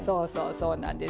そうなんですよ。